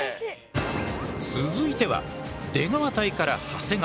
続いては出川隊から長谷川。